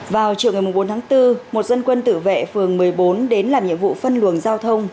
vào chiều ngày bốn tháng bốn một dân quân tự vệ phường một mươi bốn đến làm nhiệm vụ phân luồng giao thông